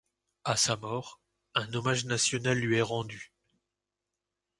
À sa mort, un hommage national lui est rendu.